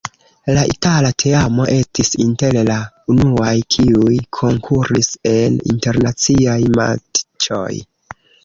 La itala teamo estis inter la unuaj, kiuj konkuris en internaciaj matĉoj.